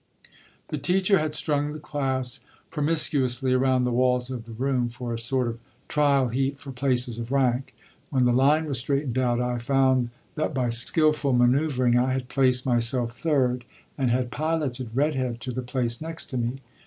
The teacher had strung the class promiscuously around the walls of the room for a sort of trial heat for places of rank; when the line was straightened out, I found that by skillful maneuvering I had placed myself third and had piloted "Red Head" to the place next to me.